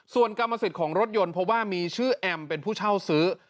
ส่วนกรรมสิทธิ์ของรถยนต์เพราะว่ามีชื่อแอมเป็นผู้เช่าซื้อ